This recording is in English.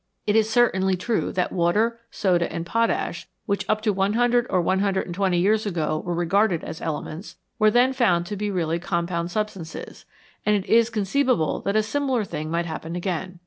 It is certainly true that water, soda, and potash, which up to one hundred or one hundred and twenty years ago were regarded as elements, were then found to be really compound substances, and it is conceivable that a similar thing might happen again.